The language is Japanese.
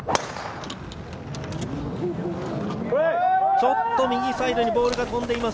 ちょっと右サイドにボールが飛んでいます。